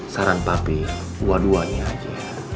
saran papi dua duanya aja